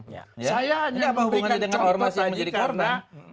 ini apa hubungannya dengan ormas yang menjadi korban